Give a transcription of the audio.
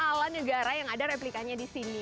ini adalah negara yang ada replikanya di sini